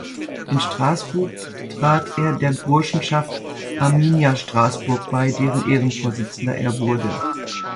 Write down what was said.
In Straßburg trat er der "Burschenschaft Arminia Straßburg" bei, deren Ehrenvorsitzender er wurde.